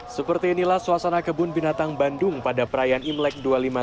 seperti inilah suasana kebun binatang bandung pada perayaan imlek dua ribu lima ratus tujuh puluh dua